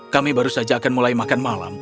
kami baru saja akan mulai makan malam